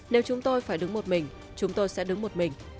nếu chúng tôi phải đứng một mình chúng tôi sẽ đứng một mình